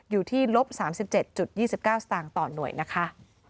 อยู่ที่ลบ๓๗๒๙สตางค์ต่อหน่วยนะคะ